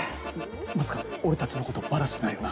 まさか俺たちのことバラしてないよな。